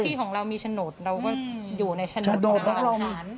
ที่ของเรามีฉะนดเราก็อยู่ในฉะนดของเราหลักฐาน